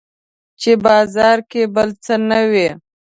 چې بازار کې بل څه نه وي